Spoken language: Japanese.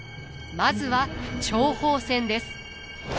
まずは諜報戦です。